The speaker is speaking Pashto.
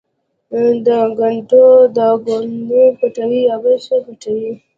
د ګناټو داغونه پټوې، یا بل شی پټوې؟